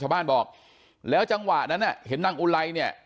ชาวบ้านบอกแล้วจังหวะนั้นเห็นนางอุไลเนี่ย